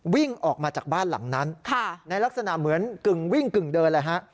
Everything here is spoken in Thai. วิ่งออกมาจากบ้านหลังนั้นในลักษณะเหมือนกึ่งวิ่งกึ่งเดินเลยฮะ